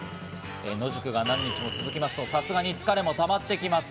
野宿が何日も続くと、さすがに疲れがたまってきます。